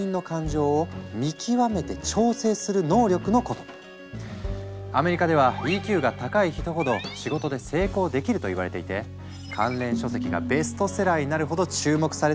このＥＱ簡単に言うとアメリカではＥＱが高い人ほど仕事で成功できるといわれていて関連書籍がベストセラーになるほど注目されていたんだ。